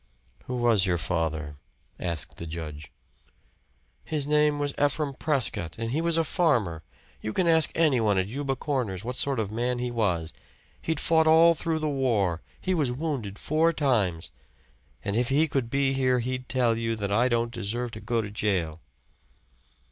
"Who was your father?" asked the judge. "His name was Ephraim Prescott, and he was a farmer. You can ask anyone at Euba Corners what sort of a man he was. He'd fought all through the war he was wounded four times. And if he could be here he'd tell you that I don't deserve to go to jail."